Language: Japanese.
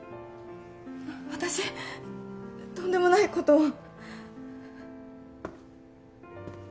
私とんでもないことを。